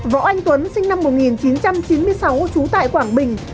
võ anh tuấn sinh năm một nghìn chín trăm chín mươi sáu trú tại quảng bình